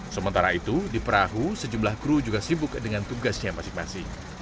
sementara itu di perahu sejumlah kru juga sibuk dengan tugasnya masing masing